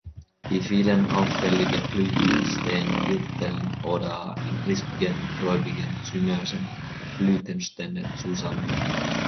Die vielen auffällige Blüten stehen in Wirteln oder in rispigen, traubigen, zymösen Blütenständen zusammen.